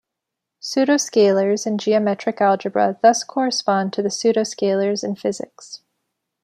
Pseudoscalars in geometric algebra thus correspond to the pseudoscalars in physics.